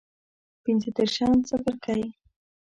پنځه دیرشم څپرکی